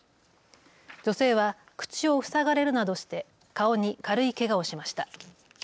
女性は口を塞がれるなどして顔に軽いけがをしました。